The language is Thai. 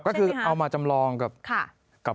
ก็คือเอามาจำลองกับ